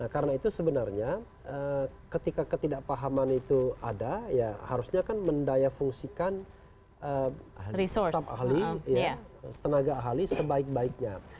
karena itu sebenarnya ketika ketidakpahaman itu ada harusnya kan mendaya fungsikan tenaga ahli sebaik baiknya